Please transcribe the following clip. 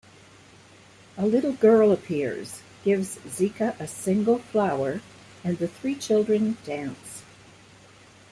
A little girl appears, gives Zeca a single flower, and the three children dance.